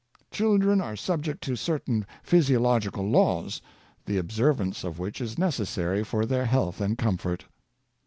Children are subject to certain physiological laws, the observance of which is necessary for their health and comfort.